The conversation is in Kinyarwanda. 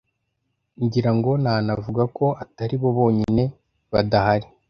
ngira ngo nanavuga ko ataribo bonyine badahari